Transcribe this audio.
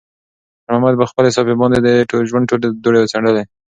خیر محمد په خپلې صافې باندې د ژوند ټولې دوړې څنډلې.